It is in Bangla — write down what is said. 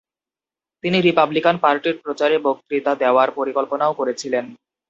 তিনি রিপাবলিকান পার্টির প্রচারে বক্তৃতা দেওয়ার পরিকল্পনাও করেছিলেন।